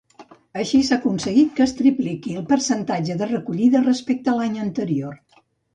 Així, s'ha aconseguit que es tripliqui el percentatge de recollida respecte a l'any anterior.